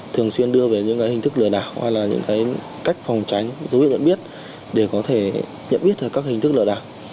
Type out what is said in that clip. thường xuyên đưa về những cái hình thức lừa đảo hay là những cái cách phòng tránh dấu hiệu nhận biết để có thể nhận biết các hình thức lừa đảo